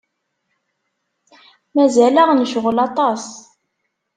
Mazal-aɣ necɣel aṭas.